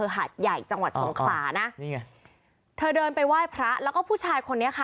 หาดใหญ่จังหวัดสงขลานะนี่ไงเธอเดินไปไหว้พระแล้วก็ผู้ชายคนนี้ค่ะ